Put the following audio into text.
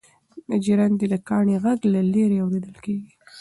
د ژرندې د کاڼي غږ له لیرې اورېدل کېږي.